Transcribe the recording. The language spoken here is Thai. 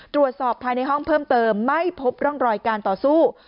ตรวจสอบภายในห้องเพิ่มเติมไม่พบร่องรอยการต่อสู้